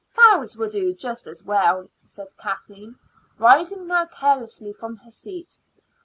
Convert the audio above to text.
"Fowls will do just as well," said Kathleen, rising now carelessly from her seat.